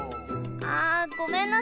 あごめんなさい！